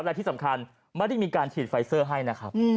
และที่สำคัญไม่ได้มีการฉีดไฟเซอร์ให้นะครับ